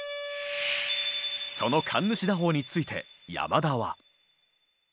その神主打法について山田は。